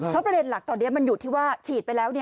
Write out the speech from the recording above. เพราะประเด็นหลักตอนนี้มันอยู่ที่ว่าฉีดไปแล้ว